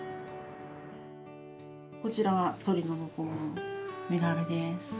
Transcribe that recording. こちらがトリノの方のメダルです。